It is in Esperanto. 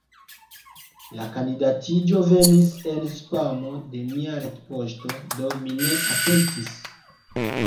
La kandidatiĝo venis en spamo de mia retpoŝto, do mi ne atentis.